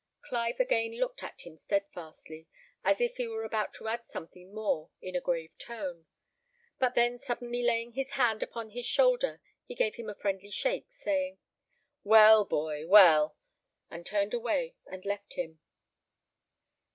Clive again looked at him steadfastly, as if he were about to add something more in a grave tone; but then suddenly laying his hand upon his shoulder he gave him a friendly shake, saying, "Well, boy, well!" and turned away and left him.